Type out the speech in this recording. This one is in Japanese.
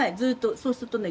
そうするとね